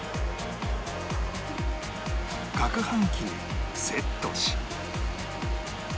かくはん機にセットし